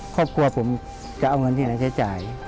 ครอบครัวผมจะเอาเงินที่ไหนใช้จ่าย